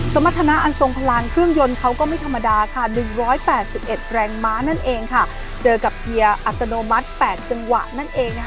สมรรถนะอันทรงพลังเครื่องยนต์เขาก็ไม่ธรรมดาค่ะ๑๘๑แรงม้านั่นเองค่ะเจอกับเกียร์อัตโนมัติ๘จังหวะนั่นเองนะคะ